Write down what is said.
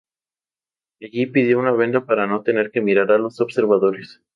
Allí, pidió una venda para no tener que mirar a los observadores.